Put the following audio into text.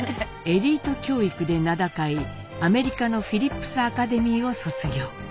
エリート教育で名高いアメリカのフィリップスアカデミーを卒業。